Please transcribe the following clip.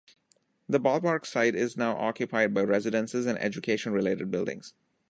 The ballpark site is now occupied by residences and education-related buildings.